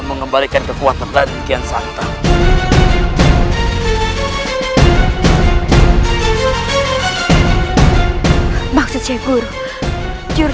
mengapa dia tidak mengalami luka